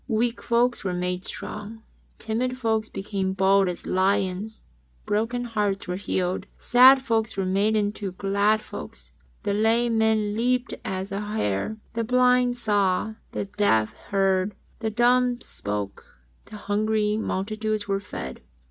Weak folks were made strong. Timid folks became bold as lions. Broken hearts were healed. Sad folks were made into glad folks. The lame man leaped as a hart. The blind saw. The deaf heard. The dumb spake. The hungry multitudes were fed.